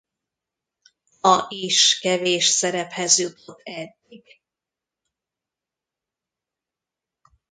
A is kevés szerephez jutott eddig.